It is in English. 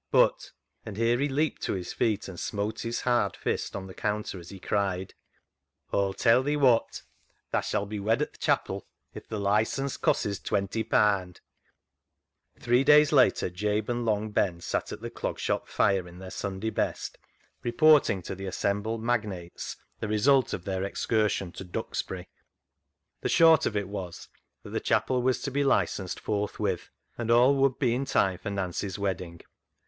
But," and here he leaped to his feet and smote his hard fist on the counter, as he cried :" Aw'll tell thee wot. Tha shall be wed at th' chapel, if th' licence cosses [costs] twenty paand !" Three days later Jabe and Long Ben sat at the Clog Shop fire in their Sunday best, report ing to the assembled magnates the result of their excursion to Duxbury. GIVING A MAN AWAY 95 The short of it was that the chapel was to be licensed forthwith, and all would be in time for Nancy's wedding.